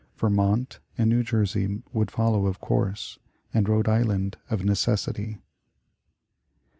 Vermont and New Jersey would follow of course, and Rhode Island of necessity."